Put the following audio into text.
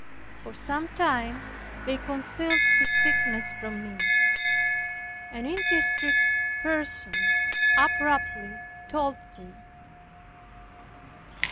For some time they concealed his sickness from me. An indiscreet person abruptly told me.